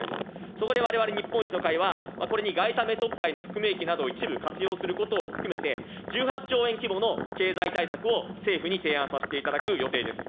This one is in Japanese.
そこでわれわれ日本維新の会は、これに外為特化への含む益を一部活用することを含めて、１８兆円規模の経済対策を政府に提案させていただく予定です。